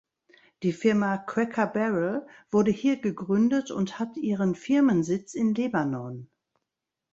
Die Firma Cracker Barrel wurde hier gegründet und hat ihren Firmensitz in Lebanon.